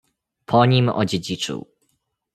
"po nim odziedziczył."